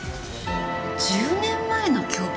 １０年前の凶器！？